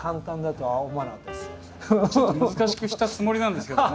ちょっと難しくしたつもりなんですけどね。